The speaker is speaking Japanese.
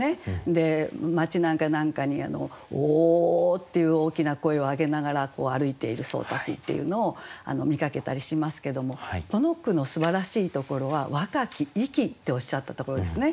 で町なんか何かに「お」っていう大きな声を上げながら歩いている僧たちっていうのを見かけたりしますけどもこの句のすばらしいところは「若き息」っておっしゃったところですね。